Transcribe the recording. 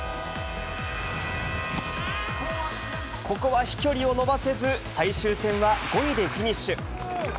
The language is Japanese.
ここは飛距離を伸ばせず、最終戦は５位でフィニッシュ。